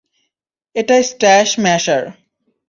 এটা স্ট্যাশ ম্যাশার।